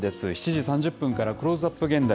７時３０分からクローズアップ現代。